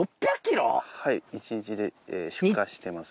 １日で出荷してます。